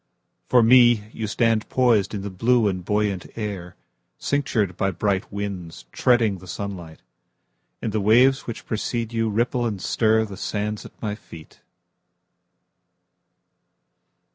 For me, You stand poisedIn the blue and buoyant air, Cinctured by bright winds, Treading the sunlight. And the waves which precede youRipple and stirThe sands at my feet.